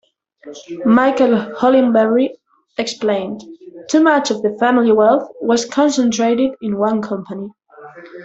Michael Hollingbery explained: Too much of the family wealth was concentrated in one company.